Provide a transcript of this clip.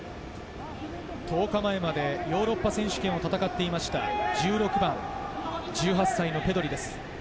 １０日前までヨーロッパ選手権で戦っていました１６番、１８歳のペドリです。